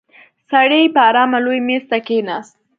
سړی په آرامه لوی مېز ته کېناست.